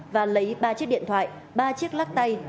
và lấy ba chiếc điện thoại ba chiếc lắc tay